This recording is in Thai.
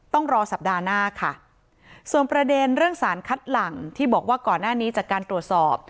ต้องรอสัปดาห์หน้าค่ะส่วนประเด็นเรื่องสารคัดหลังที่บอกว่าก่อนหน้านี้จากการตรวจสอบ